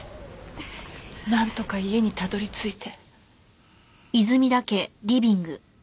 なんとか家にたどり着いて。